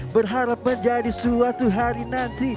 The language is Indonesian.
berharap menjadi suatu hari nanti